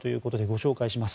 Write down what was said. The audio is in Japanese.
ご紹介します。